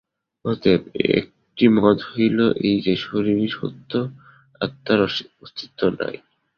অতএব একটি মত হইল এই যে, শরীরই সত্য, আত্মার অস্তিত্ব নাই।